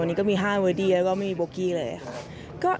วันนี้ก็มี๕เบอร์ดี้แล้วก็ไม่มีโบกี้เลยค่ะ